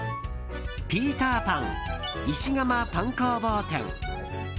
ピーターパン石窯パン工房店。